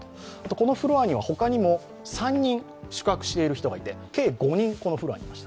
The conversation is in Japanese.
このフロアには他にも３人宿泊している人がいて計５人いました。